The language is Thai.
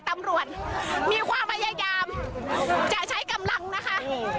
ตำรวจมีความพยายามจะใช้กำลังนะคะ